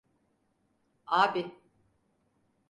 Abi.